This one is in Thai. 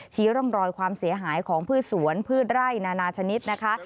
ร่องรอยความเสียหายของพืชสวนพืชไร่นานาชนิดนะคะ